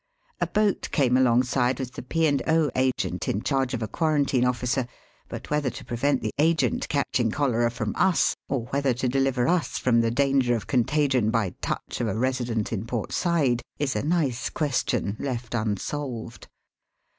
A boat came along side with the P. and 0, agent in charge of a quarantine ofl&cer ; but whether to prevent the agent catching cholera from us, or whether to deliver us from the danger of contagion by touch of a resident in Port Said, is a nice question left unsolved.